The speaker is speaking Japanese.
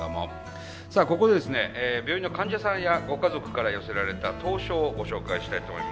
さあここで病院の患者さんやご家族から寄せられた投書をご紹介したいと思います。